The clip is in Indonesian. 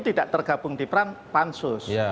tidak tergabung di peran pansus